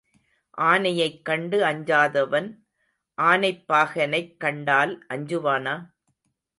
ஆனையைக் கண்டு அஞ்சாதவன் ஆனைப் பாகனைக் கண்டால் அஞ்சுவானா?